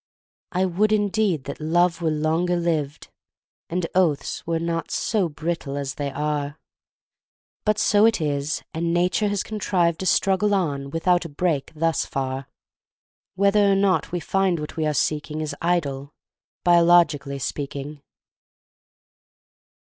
I would indeed that love were longer lived, And oaths were not so brittle as they are, But so it is, and nature has contrived To struggle on without a break thus far, Whether or not we find what we are seeking Is idle, biologically speaking.